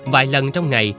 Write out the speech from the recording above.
vài lần trong ngày